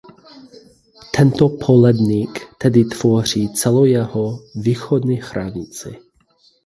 Tento poledník tedy tvoří celou jeho východní hranici.